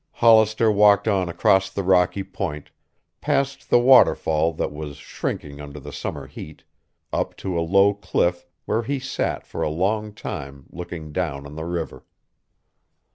Hollister walked on across the rocky point, passed the waterfall that was shrinking under the summer heat, up to a low cliff where he sat for a long time looking down on the river.